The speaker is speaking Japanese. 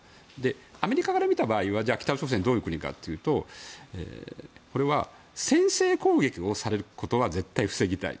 アメリカから見た場合北朝鮮はどういう国かというとこれは、先制攻撃をされることは絶対に防ぎたい。